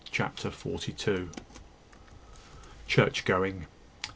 CHAPTER FORTY TWO. CHURCH GOING.